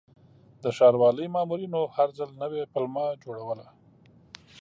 د ښاروالۍ مامورینو هر ځل نوې پلمه جوړوله.